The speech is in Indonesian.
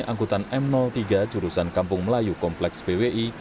angkutan m tiga jurusan kampung melayu kompleks pwi